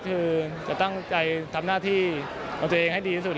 คือจะตั้งใจทำหน้าที่ของตัวเองให้ดีที่สุด